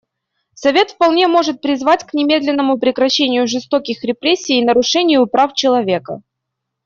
Совет вполне может призвать к немедленному прекращению жестоких репрессий и нарушений прав человека.